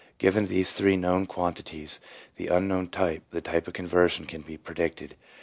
Given these three known quantities, the unknown, the type of conversion, can be predicted.